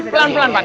pelan pelan pak d